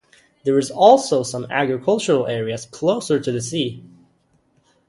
There is also some agricultural areas closer to the sea.